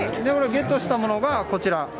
ゲットしたものが、こちら。